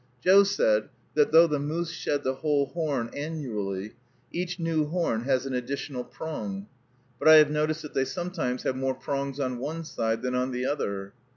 Joe said, that, though the moose shed the whole horn annually, each new horn has an additional prong; but I have noticed that they sometimes have more prongs on one side than on the other.